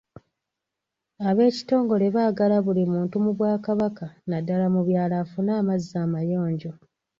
Ab'ekitongole baagala buli muntu mu Bwakabaka naddala mu byalo afune amazzi amayonjo.